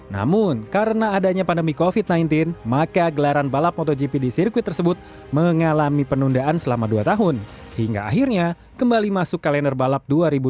namun karena adanya pandemi covid sembilan belas maka gelaran balap motogp di sirkuit tersebut mengalami penundaan selama dua tahun hingga akhirnya kembali masuk kalender balap dua ribu dua puluh